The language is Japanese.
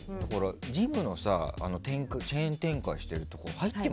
ジムのチェーン展開してるところ